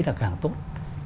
là càng tốt